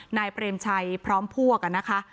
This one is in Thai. นายเปรมชัยพร้อมพวกนะคะ